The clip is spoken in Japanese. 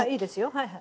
はいはい。